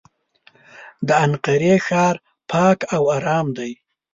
د انقرې ښار پاک او ارام دی.